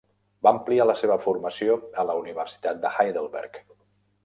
Va ampliar la seva formació a la Universitat de Heidelberg.